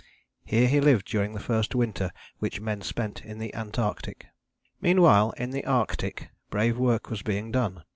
Here he lived during the first winter which men spent in the Antarctic. Meanwhile, in the Arctic, brave work was being done.